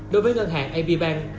đối với ngân hàng ap bank